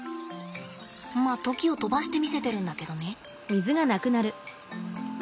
ま時を飛ばして見せてるんだけどね。